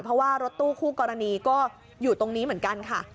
เพราะว่ารถตู้คู่กรณีก็อยู่ตรงนี้เหมือนกันค่ะ